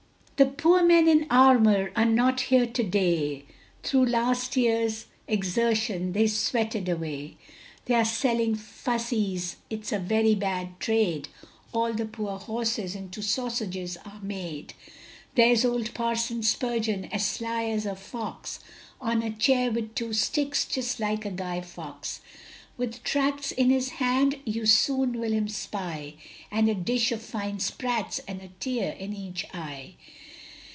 The poor men in armour are not here to day, Through last year's exertion they sweated away; They are selling fusees it's a very bad trade, And all the poor horses into sausages are made. There's old Parson Spurgeon, as sly as a fox, On a chair with two sticks, just like a Guy Faux; With tracts in his hand, you soon will him spy, And a dish of fine sprats and a tear in each eye.